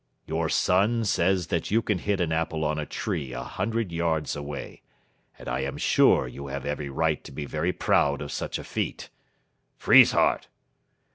Your son says that you can hit an apple on a tree a hundred yards away, and I am sure you have every right to be very proud of such a feat. Friesshardt!"